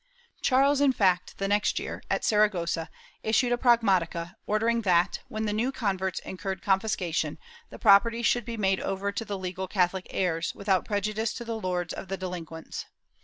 ^ Charles, in fact, the next year, at Saragossa, issued a pragmd tica ordering that, when the new converts incurred confiscation, the property should be made over to the legal Catholic heirs, without prejudice to the lords of the delinquents.